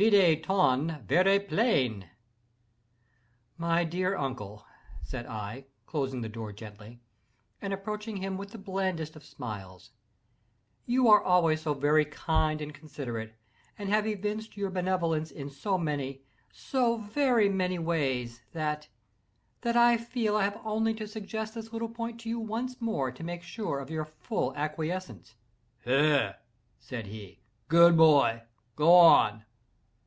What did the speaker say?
Vide ton verre plein! "My dear uncle," said I, closing the door gently, and approaching him with the blandest of smiles, "you are always so very kind and considerate, and have evinced your benevolence in so many—so very many ways—that—that I feel I have only to suggest this little point to you once more to make sure of your full acquiescence." "Hem!" said he, "good boy! go on!"